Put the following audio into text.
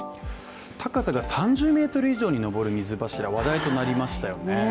高さが３０ｍ以上に上る水柱話題となりましたよね。